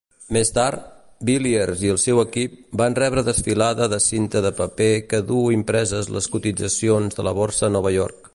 Més tard, Villiers i el seu equip van rebre desfilada de cinta de paper que duu impreses les cotitzacions de la borsa a Nova York.